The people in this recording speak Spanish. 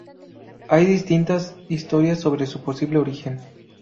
Hay distintas historias sobre su posible origen.